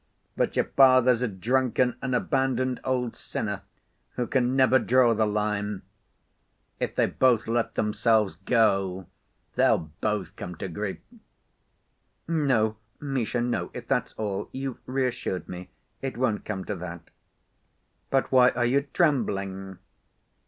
But your father's a drunken and abandoned old sinner, who can never draw the line—if they both let themselves go, they'll both come to grief." "No, Misha, no. If that's all, you've reassured me. It won't come to that." "But why are you trembling?